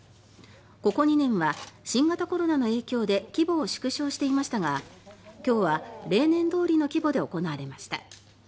ここ２年は新型コロナの影響で規模を縮小していましたが今日は例年どおりの規模で行われました。